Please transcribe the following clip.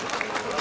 あ。